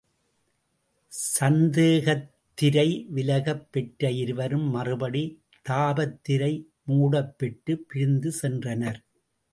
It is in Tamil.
சந்தேகத்திரை விலகப் பெற்ற இருவரும், மறுபடி தாபத்திரை மூடப்பெற்றுப் பிரிந்து சென்றனர்.